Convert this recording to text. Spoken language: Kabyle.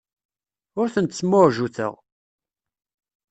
Ur tent-smuɛjuteɣ.